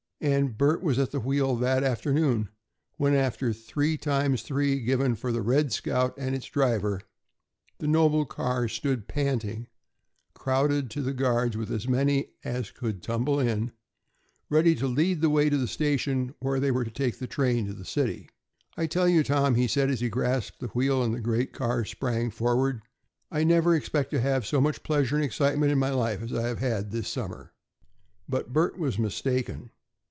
And Bert was at the wheel that afternoon, when, after "three times three" given for the "Red Scout" and its driver, the noble car stood panting, crowded to the guards with as many as could tumble in, ready to lead the way to the station where they were to take the train to the city. "I tell you, Tom," he said, as he grasped the wheel and the great car sprang forward, "I never expect to have so much pleasure and excitement in my life as I have had this summer." But Bert was mistaken.